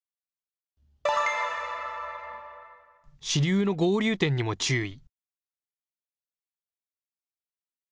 支流の合流点にも注意。